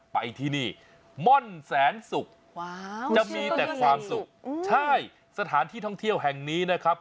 ไปที่นี่ม่อนแสนศุกร์จะมีแต่ความสุขใช่สถานที่ท่องเที่ยวแห่งนี้นะครับ